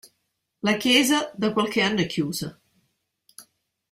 La chiesa, da qualche anno, è chiusa.